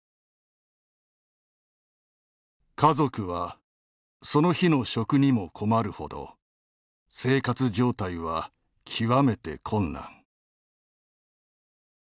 「家族はその日の食にも困るほど生活状態は極めて困難」